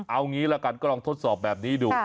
เอางี้ละกันก็ลองทดสอบแบบนี้ดู